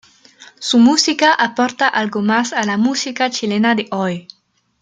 Su música aporta algo más a la música chilena de hoy.